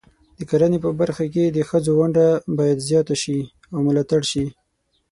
د کرنې په برخه کې د ښځو ونډه باید زیاته شي او ملاتړ شي.